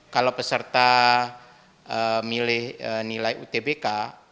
kalau peserta milih nilai utbk